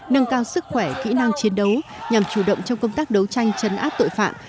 nâng cao sức khỏe kỹ năng chiến đấu nhằm chủ động trong công tác đấu tranh chấn áp tội phạm